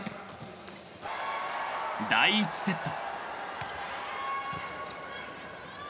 ［第１セット］